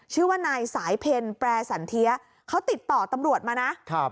ชื่อว่านายสายเพลแปรสันเทียเขาติดต่อตำรวจมานะครับ